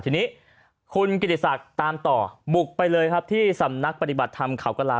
ทีนี้คุณกิติศักดิ์ตามต่อบุกไปเลยครับที่สำนักปฏิบัติธรรมเขากระลา